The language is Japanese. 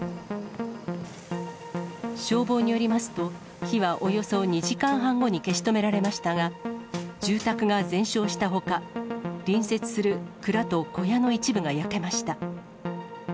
消防によりますと、火はおよそ２時間半後に消し止められましたが、住宅が全焼したほか、隣接する蔵と小屋の一部が焼けました。